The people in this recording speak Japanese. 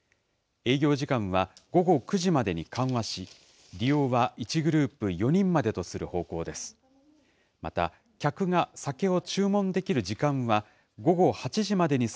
営業時間は午後９時までに緩和し、利用は１グループ４人までとする方向です。